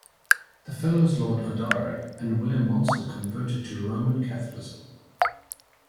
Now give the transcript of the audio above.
The Fellows Lord Adare and William Monsell converted to Roman Catholicism.